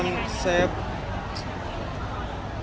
มีใจการรับที่สต่าง